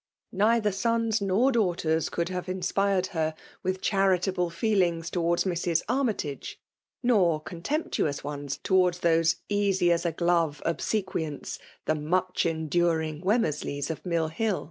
Neither sooa nor daughters could have inspired h^ with charitable feelings towards Mrs. Armytage» nor contemptuous ones towards those ea^ a0 arglove obsequients, — the much^endormg Wemmersleys of Mill HiU.